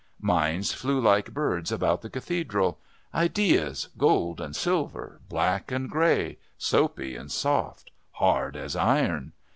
Minds flew like birds about the Cathedral ideas, gold and silver, black and grey, soapy and soft, hard as iron.